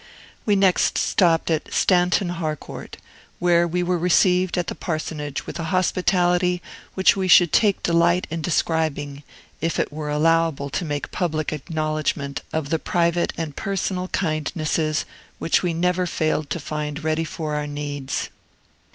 We next stopped at Stanton Harcourt, where we were received at the parsonage with a hospitality which we should take delight in describing, if it were allowable to make public acknowledgment of the private and personal kindnesses which we never failed to find ready for our needs.